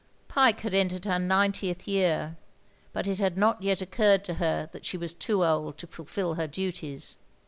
Pyke had entered her ninetieth year, but it had not yet occurred to her that she was too old to fulfil her duties.